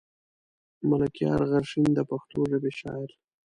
ملکيار غرشين د پښتو ژبې شاعر.